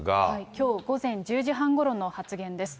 きょう午前１０時半ごろの発言です。